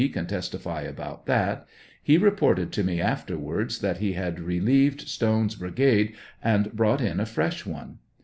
can testify about that ; he reported to me afterwards that he had relieved Stone's brigade and brought in a fresh one.